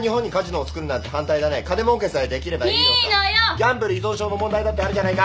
ギャンブル依存症の問題だってあるじゃないか。